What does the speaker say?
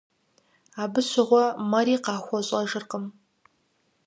Абы щыгъуэ мэри къахуэщӀэжыркъым.